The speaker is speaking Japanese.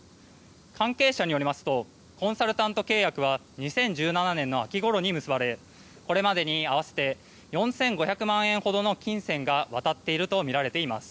関係者によりますとコンサルタント契約は２０１７年の秋ごろに結ばれ、これまでに合わせて４５００万円ほどの金銭が渡っているとみられています。